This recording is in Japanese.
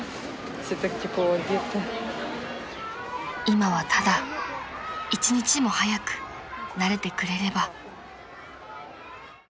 ［今はただ１日も早く慣れてくれれば］